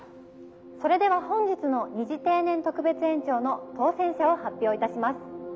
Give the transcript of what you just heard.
それでは本日の二次定年特別延長の当選者を発表いたします。